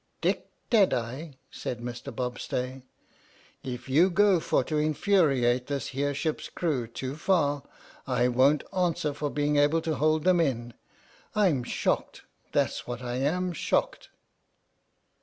"Dick Deadeye," said Mr. Bobstay, " if you go for to infuriate this here ship's crew too far, 1 won't answer for being able to hold them in. I'm shocked, that's what I am, shocked."